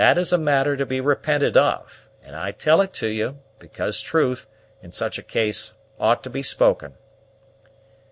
That is a matter to be repented of, and I tell it to you, because truth, in such a case, ought to be spoken."